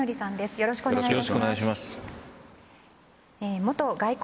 よろしくお願いします。